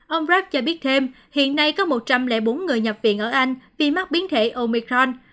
ông rack cho biết thêm hiện nay có một trăm linh bốn người nhập viện ở anh vì mắc biến thể omicron